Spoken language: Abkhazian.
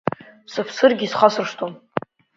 Сыԥсыргьы исхасыршҭуам.